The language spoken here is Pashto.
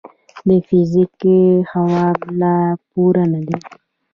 د فزیک خواب لا پوره نه دی.